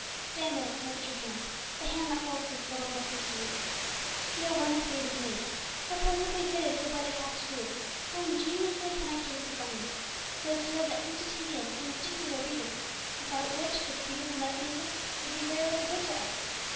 Stay a minute, and look at your hand, the hand that holds this little book as you read it. See how wonderfully it is made; how perfectly fitted for what it has to do; how ingeniously connected with the brain, so as to yield that instantaneous and instinctive obedience without which its beautiful mechanism would be very little good to us!